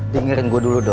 tinggalkan gue dulu ya